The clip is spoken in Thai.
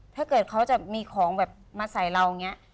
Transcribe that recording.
ถ้าเกิดเขาจะมีของแบบมาใส่เราอย่างนี้